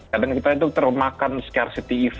kadang kita itu termakan scarcity itu